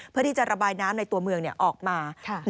เพื่อที่จะระบายน้ำในตัวเมืองออกมา